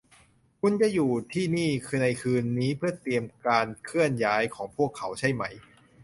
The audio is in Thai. คุณจะอยู่ที่นี่ในคืนนี้เพื่อเตรียมการเคลื่อนย้ายของพวกเขาใช่มั้ย